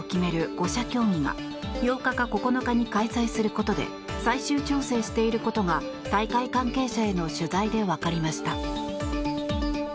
５者協議が８日か９日に開催することで最終調整していることが大会関係者への取材で分かりました。